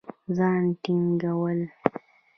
ځان ټينګول